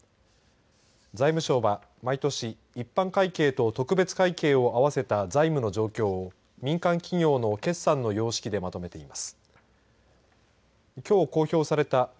財務省は毎年一般会計と特別会計を合わせた財務の状況を民間企業の決算の様式でまとめています。